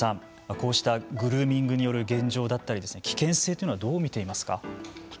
こうしたグルーミングによる現状だったり危険性というのはどう見ていますか。